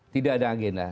tidak ada agenda